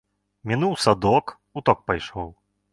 Мінуў садок, у ток пайшоў.